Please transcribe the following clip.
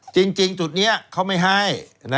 จริงจุดนี้เขาไม่ให้